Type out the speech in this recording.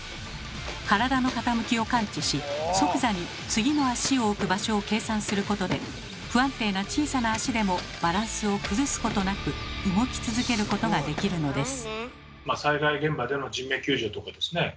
体の傾きを感知し即座に次の足を置く場所を計算することで不安定な小さな足でもバランスを崩すことなく動き続けることができるのです。